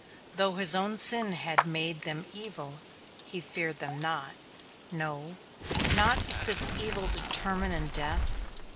Though his own sin had made them evil, he feared them not. No? not if this evil determine in death?